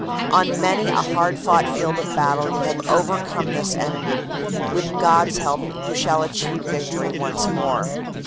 On many a hard fought field of battle you have overcome this enemy. With God s help you shall achieve victory once more.